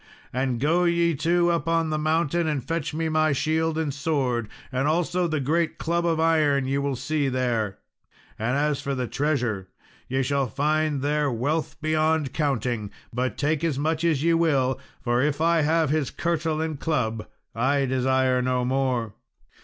And go ye two up on the mountain and fetch me my shield and sword, and also the great club of iron ye will see there; and as for the treasure, ye shall find there wealth beyond counting, but take as much as ye will, for if I have his kirtle and the club, I desire no more."